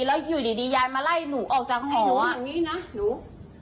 แล้วอยู่ดียายมาไล่หนูออกจากห้องหนูว่าอย่างนี้นะหนู